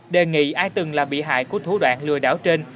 đề nghị ai từng là bị hại của thủ đoạn lừa đảo trên